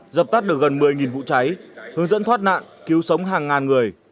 dập tắt được gần một mươi vụ cháy hướng dẫn thoát nạn cứu sống hàng ngàn người